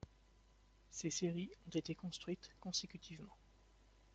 Ces séries ont été construites consécutivement.